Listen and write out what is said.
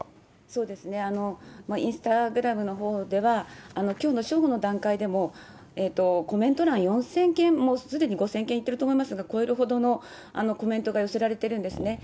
そうですね、インスタグラムのほうでは、きょうの正午の段階でも、コメント欄４０００件、すでに５０００件いってると思いますが、超えるほどのコメントが寄せられているんですね。